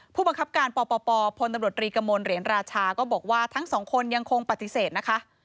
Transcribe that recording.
ผู้มังคับการป่อป่อป่อพนตรรีกมณ์เหรียญราชาก็บอกว่าทั้งสองคนยังคงปฏิเสธนะคะ